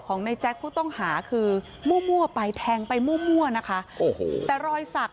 ในแจ๊คผู้ต้องหาคือมั่วไปแทงไปมั่วนะคะโอ้โหแต่รอยสัก